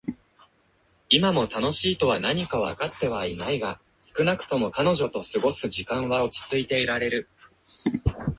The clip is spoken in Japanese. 今も「楽しい」とは何かはわかってはいないが、少なくとも彼女と過ごす時間は落ち着いていられる。